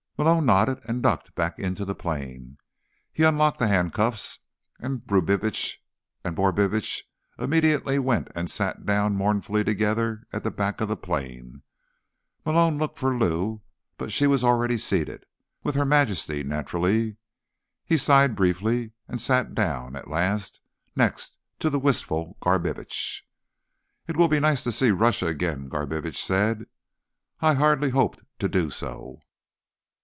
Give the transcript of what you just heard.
Malone nodded and ducked back into the plane. He unlocked the handcuffs, and Brubitsch and Borbitsch immediately went and sat down mournfully together at the back of the plane. Malone looked for Lou, but she was already seated—with Her Majesty, naturally. He sighed briefly and sat down, at last, next to the wistful Garbitsch. "It will be nice to see Russia again," Garbitsch said. "I hardly hoped to do so."